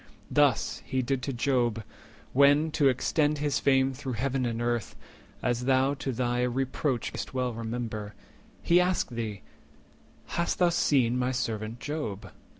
Thus he did to Job, When, to extend his fame through Heaven and Earth, As thou to thy reproach may'st well remember, He asked thee, 'Hast thou seen my servant Job?